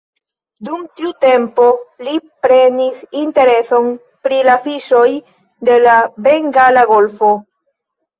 Dum tiu tempo li prenis intereson pri la fiŝoj de la Bengala Golfo.